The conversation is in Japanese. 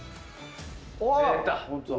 あっ！